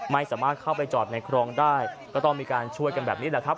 ไม่สามารถเข้าไปจอดในครองได้ก็ต้องมีการช่วยกันแบบนี้แหละครับ